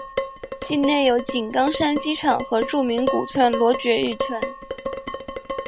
境内有井冈山机场和著名古村落爵誉村。